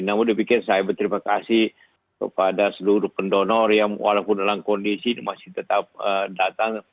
namun demikian saya berterima kasih kepada seluruh pendonor yang walaupun dalam kondisi masih tetap datang